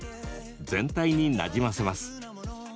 全体になじませます。